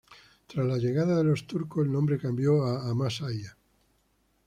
Tras la llegada de los turcos, el nombre cambió a "Amasya".